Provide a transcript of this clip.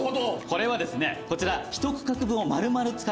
これはですねこちら。